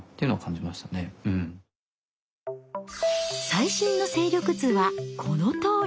最新の勢力図はこのとおり。